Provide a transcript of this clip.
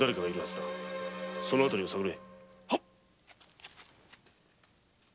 その辺りを探れ！